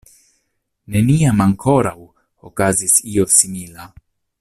Neniam ankoraŭ okazis io simila.